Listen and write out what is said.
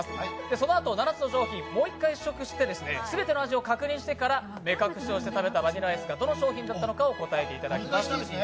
そのあと７つの商品をもう一回試食したあと目隠しをして食べたバニラアイスがどの商品だったのか解答していただきます。